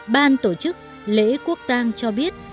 ban tổ chức lễ quốc tăng cho biết